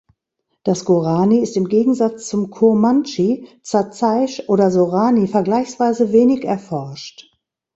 Das Gorani ist im Gegensatz zum Kurmandschi, Zazaisch und Sorani vergleichsweise wenig erforscht.